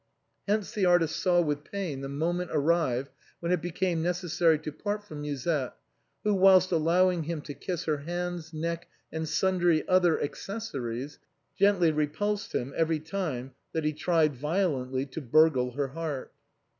Hence the artist saw with pain the moment arrive when it became necessary to part from Musette, who, whilst allowing him to kiss her hands, neck and sundry other accessories, gently repulsed him every time that he tried violently to burgle her heart.